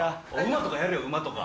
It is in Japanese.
馬とかやれや馬とか。